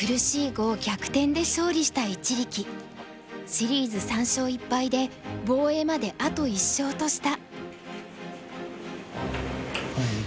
シリーズ３勝１敗で防衛まであと１勝とした。